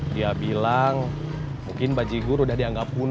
dia bilang mungkin bajigur udah dianggap pun